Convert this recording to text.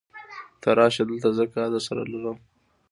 ته راشه دلته، زه کار درسره لرم.